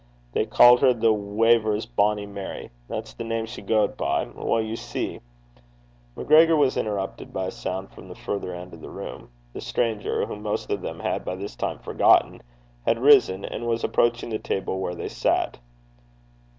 They ca'd her the weyver's bonny Mary that's the name she gaed by. Weel, ye see ' MacGregor was interrupted by a sound from the further end of the room. The stranger, whom most of them had by this time forgotten, had risen, and was approaching the table where they sat.